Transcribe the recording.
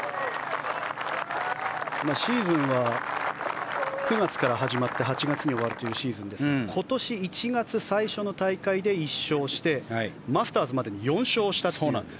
シーズンは９月から始まって８月に終わるシーズンですが今年１月最初の大会で１勝してマスターズまでに４勝したという。